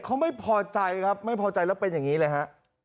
เขาไม่พอใจครับไม่พอใจแล้วเป็นอย่างนี้เลยฮะ